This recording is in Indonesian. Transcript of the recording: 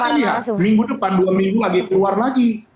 nanti ya minggu depan dua minggu lagi keluar lagi